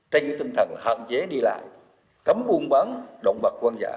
trên tinh thần hạn chế đi lại cấm buôn bán động vật quân giả